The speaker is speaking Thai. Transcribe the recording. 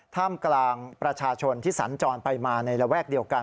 ท่ามกลางประชาชนที่สัญจรไปมาในระแวกเดียวกัน